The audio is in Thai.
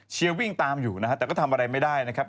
วิ่งตามอยู่นะฮะแต่ก็ทำอะไรไม่ได้นะครับ